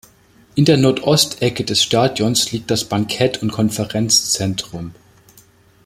In der Nordostecke des Stadions liegt das Bankett- und Konferenzzentrum.